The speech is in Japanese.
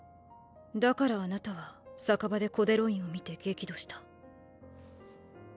だからあなたは酒場でコデロインを見て激怒した。